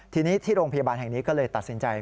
ทีนี้ที่โรงพยาบาลแห่งนี้ก็เลยตัดสินใจ